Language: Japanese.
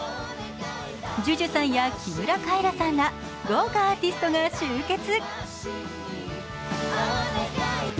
ＪＵＪＵさんや木村カエラさんら、豪華アーティストが集結。